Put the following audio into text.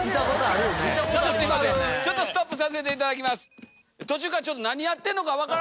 ちょっとストップさせていただきます。